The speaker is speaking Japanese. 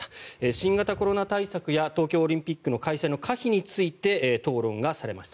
新型コロナ対策や東京オリンピック開催の可否について討論がされました。